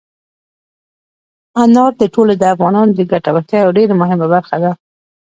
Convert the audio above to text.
انار د ټولو افغانانو د ګټورتیا یوه ډېره مهمه برخه ده.